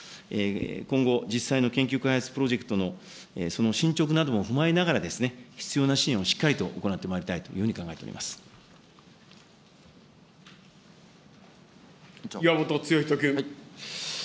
今後、実際の研究開発プロジェクトのその進捗なども踏まえながら、必要な支援をしっかりと行ってまいりたいというふうに考えており岩本剛人君。